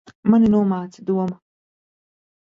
Mani nomāca doma.